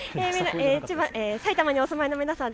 埼玉にお住まいの皆さん。